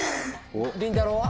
りんたろうは？